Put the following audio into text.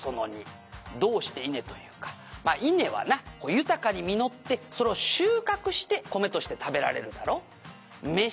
「まあ稲はな豊かに実ってそれを収穫して米として食べられるだろ？」